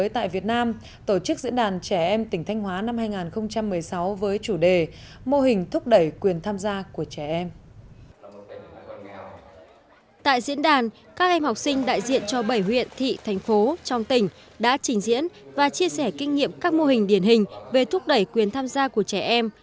tại diễn đàn các em học sinh đại diện cho bảy huyện thị thành phố trong tỉnh đã trình diễn và chia sẻ kinh nghiệm các mô hình điển hình về thúc đẩy quyền tham gia của trẻ em